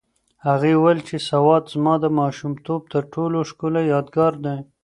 هغې وویل چې سوات زما د ماشومتوب تر ټولو ښکلی یادګار دی.